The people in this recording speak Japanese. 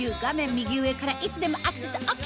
右上からいつでもアクセスＯＫ